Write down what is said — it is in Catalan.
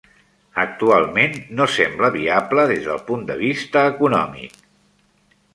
Actualment, no sembla viable des del punt de vista econòmic.